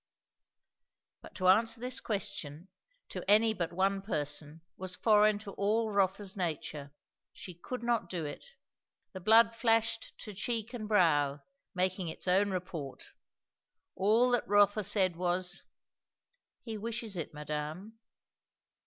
But to answer this question, to any but one person, was foreign to all Rotha's nature. She could not do it. The blood flashed to cheek and brow, making its own report; all that Rotha said, was, "He wishes it, madame."